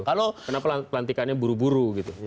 kalau kenapa pelantikannya buru buru gitu